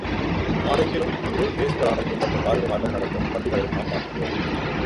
நாடெங்கிலும் இன்று இயேசு பிரானைப் பின்பற்றும் பாதிரிமார்கள் நடத்தும் பள்ளிகளையும் நாம் பார்க்கின்றோம்.